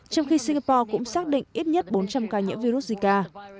trong khi singapore cũng xác định ít nhất bốn trăm linh ca nhiễm virus zika